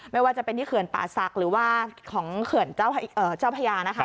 ไม่ว่าจะเป็นที่เขื่อนป่าศักดิ์หรือว่าของเขื่อนเจ้าพญานะคะ